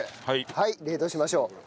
はい冷凍しましょう。